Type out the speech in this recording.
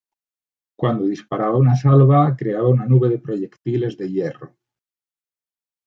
Cuando disparaba una salva, creaba una nube de proyectiles de hierro.